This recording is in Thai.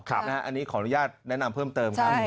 อันนี้ขออนุญาตแนะนำเพิ่มเติมครับ